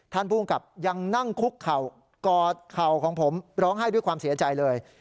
ภูมิกับยังนั่งคุกเข่ากอดเข่าของผมร้องไห้ด้วยความเสียใจเลย